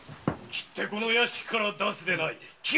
斬ってこの屋敷から出すでない！